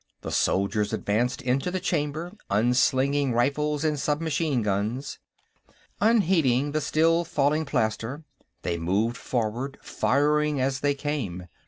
The soldiers advanced into the Chamber, unslinging rifles and submachine guns. Unheeding the still falling plaster, they moved forward, firing as they came.